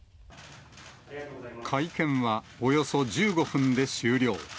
会見はおよそ１５分で終了。